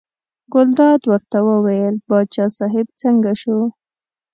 ګلداد ورته وویل باچا صاحب څنګه شو.